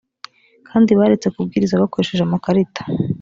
kandi baretse kubwiriza bakoresheje amakarita